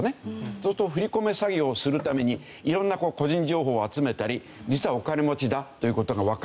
そうすると振り込め詐欺をするために色んな個人情報を集めたり実はお金持ちだという事がわかっている。